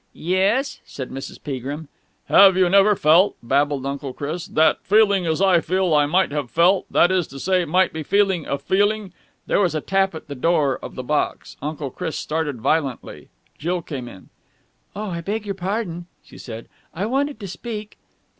"Yes?" said Mrs. Peagrim. "Have you never felt," babbled Uncle Chris, "that, feeling as I feel, I might have felt ... that is to say might be feeling a feeling...?" There was a tap at the door of the box. Uncle Chris started violently. Jill came in. "Oh, I beg your pardon," she said. "I wanted to speak...."